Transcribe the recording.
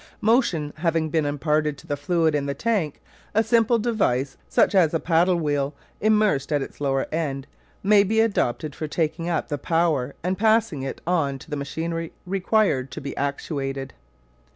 Motion having been imparted to the fluid in the tank, a simple device such as a paddle wheel immersed at its lower end, may be adopted for taking up the power and passing it on to the machinery required to be actuated.